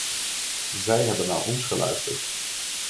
Zij hebben naar ons geluisterd.